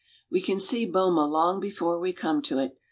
We can see Boma long before we come to it.